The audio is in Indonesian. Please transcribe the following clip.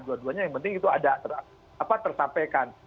dua duanya yang penting itu ada tersampaikan